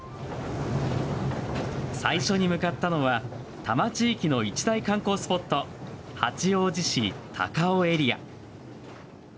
最初に向かったのは多摩地域の一大観光スポット八王子市・高尾エリア。